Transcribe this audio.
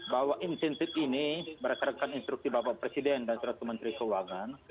bahwa insentif ini berdasarkan instruksi bapak presiden dan suatu menteri keuangan